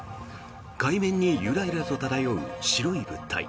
海面にゆらゆらと漂う白い物体。